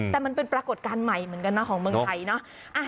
แต่มันเป็นปรากฏการณ์ใหม่เหมือนกันนะของเมืองไทยเนอะ